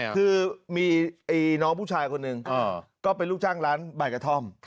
คือมีน้องผู้ชายคนหนึ่งก็เป็นลูกจ้างร้านใบกระท่อม